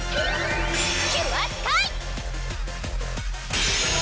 キュアスカイ！